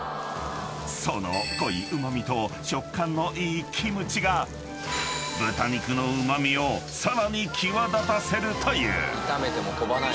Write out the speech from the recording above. ［その濃いうま味と食感のいいキムチが豚肉のうま味をさらに際立たせるという］